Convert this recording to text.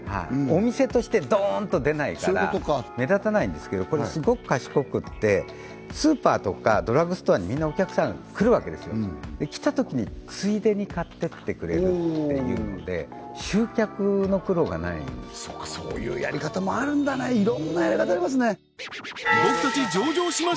お店としてドーンと出ないから目立たないんですけどこれスゴく賢くてスーパーとかドラッグストアにみんなお客さん来るわけですよ来たときについでに買ってってくれるっていうので集客の苦労がないんですそうかそういうやり方もあるんだねいろんなやり方ありますね